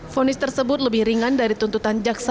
fonis tersebut lebih ringan dari tuntutan jaksa